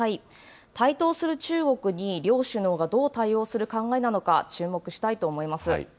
台頭する中国に両首脳がどう対応する考えなのか、注目したいと思います。